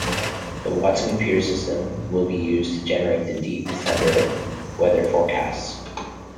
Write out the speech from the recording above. The Watson computer system will be used to generate the Deep Thunder weather forecasts.